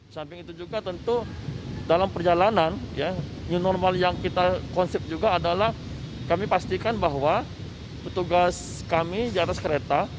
samping itu juga tentu dalam perjalanan new normal yang kita konsep juga adalah kami pastikan bahwa petugas kami di atas kereta